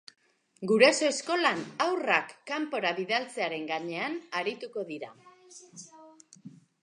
Guraso eskolan, haurrak kanpora bidaltzearen gainean airtuko dira.